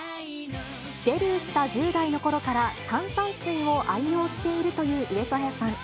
デビューした１０代のころから炭酸水を愛用しているという上戸彩さん。